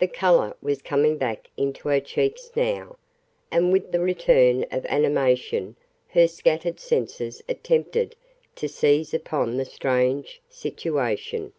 The color was coming back into her cheeks now, and with the return of animation her scattered senses attempted to seize upon the strange situation.